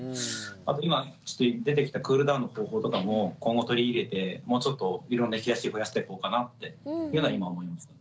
あと今ちょっと出てきたクールダウンの方法とかも今後取り入れてもうちょっといろんな引き出しを増やしていこうかなっていうのは今思いました。